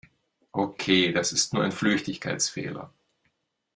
Okay, das ist nur ein Flüchtigkeitsfehler.